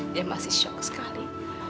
dia masih shock sekali